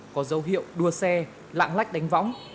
có dấu hiệu đua xe lạng lách đánh võng